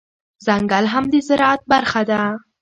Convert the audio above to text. ځنګل هم د زرعت برخه ده